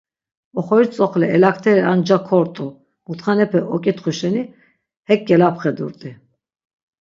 Oxoriş tzoxle elakteri ar nca kort̆u, mut̆xanepe ok̆itxuşi şeni hek gelapxedurt̆i.